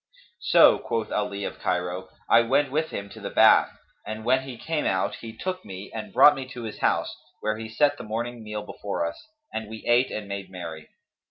"So," quoth Ali of Cairo: "I went with him to the bath, and when we came out, he took me and brought me to his house, where he set the morning meal before us, and we ate and made merry.